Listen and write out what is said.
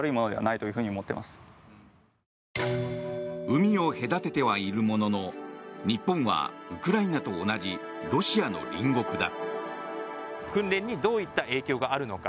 海を隔ててはいるものの日本はウクライナと同じロシアの隣国だ。